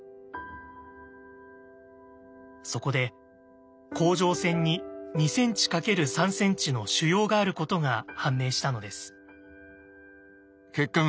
そこで甲状腺に２ｃｍ×３ｃｍの腫瘍があることが判明したのです。